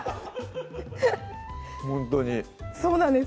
ほんとにそうなんです